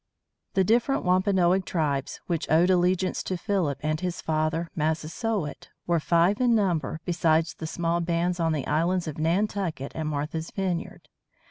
The different Wampanoag tribes which owed allegiance to Philip and his father, Massasoit, were five in number besides the small bands on the islands of Nantucket and Martha's Vineyard.